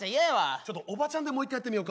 ちょっとおばちゃんでもう一回やってみよか？